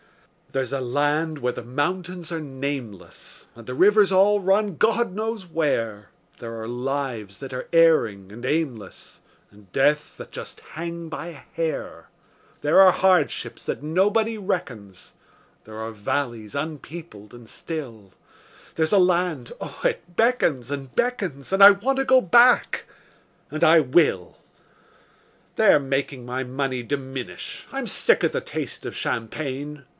There's a land where the mountains are nameless, And the rivers all run God knows where; There are lives that are erring and aimless, And deaths that just hang by a hair; There are hardships that nobody reckons; There are valleys unpeopled and still; There's a land oh, it beckons and beckons, And I want to go back and I will. They're making my money diminish; I'm sick of the taste of champagne.